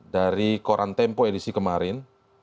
dari koran tempo edisi kemarin